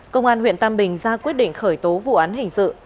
công an huyện tam bình ra quyết định khởi tố vụ án hình sự